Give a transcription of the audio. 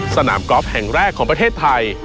สนามกอล์ฟแห่งแรกของประเทศไทย